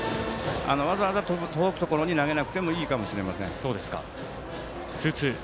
わざわざ届くところに投げなくてもいいかもしれません。